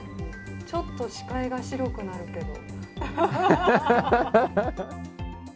ちょっと視界が白くなるけど。